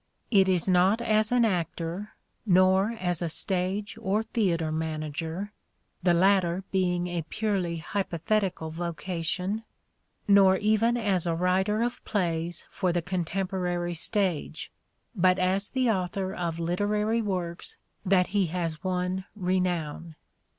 It is not as an actor, nor as a stage or theatre manager — the latter being a purely hypo thetical vocation — nor even as a writer of plays for the contemporary stage, but as the author of literary works that he has won renown.